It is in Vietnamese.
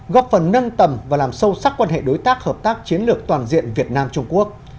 góp phần nâng tầm và làm sâu sắc quan hệ đối tác hợp tác chiến lược toàn diện việt nam trung quốc